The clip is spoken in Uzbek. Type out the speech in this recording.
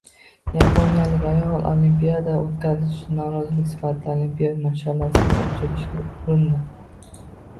Yaponiyalik ayol Olimpiada o‘tkazilishiga norozilik sifatida Olimpiya mash'alasini o‘chirishga urindi